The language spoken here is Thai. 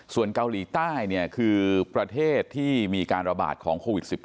ส่วนเกาหลีใต้คือประเทศที่มีการระบาดของโควิด๑๙